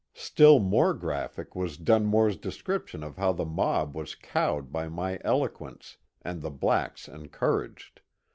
Still more graphic was Dunmore's description of how the mob was cowed by my eloquence, and the blacks encouraged.